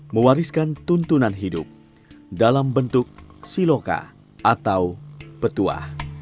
mewariskan tuntunan hidup dalam bentuk siloka atau petua